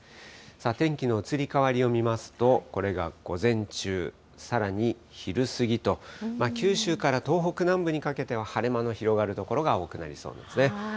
さあ、天気の移り変わりを見ますと、これが午前中、さらに昼過ぎと、九州から東北南部にかけては、晴れ間の広がる所が多くなりそうですね。